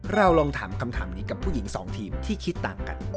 เราลองถามคำถามนี้กับผู้หญิงสองทีมที่คิดต่างกัน